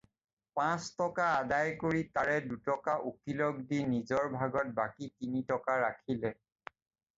পাঁচ টকা আদায় কৰি তাৰে দুটকা উকীলক দি নিজৰ ভাগত বাকী তিন টকা ৰাখিলে।